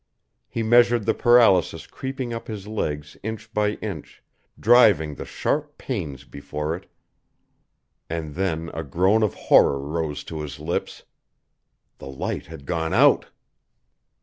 He measured the paralysis creeping up his legs inch by inch, driving the sharp pains before it and then a groan of horror rose to his lips. The light had gone out!